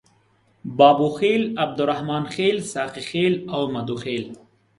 بابوخیل، عبدالرحمن خیل، ساقي خیل او مده خیل.